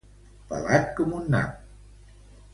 Pelat com un nap.